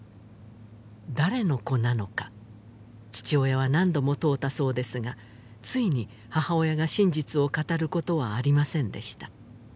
誰の子なのか父親は何度も問うたそうですがついに母親が真実を語ることはありませんでした